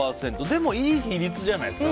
でもいい比率じゃないですか。